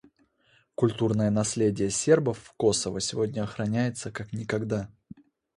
Культурное наследие сербов в Косово сегодня охраняется как никогда.